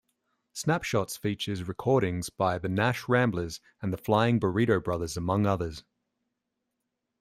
"Snapshots" features recordings by the Nash Ramblers and the Flying Burrito Brothers among others.